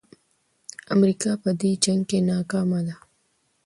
امریکا په دې جنګ کې ناکامه ده.